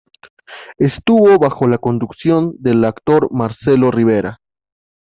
Estuvo bajo la conducción del actor Marcello Rivera.